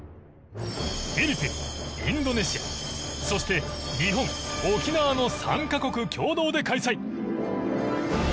フィリピンインドネシアそして日本・沖縄の３カ国共同で開催。